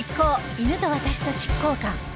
犬と私と執行官』